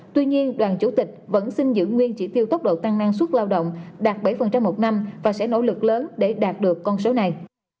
tuy nhiên đoàn chủ tịch vẫn xin giữ nguyên chỉ tiêu tốc độ tăng năng suất lao động đạt bảy một năm và sẽ nỗ lực lớn để đạt được con số này